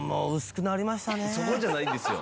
そこじゃないんですよ。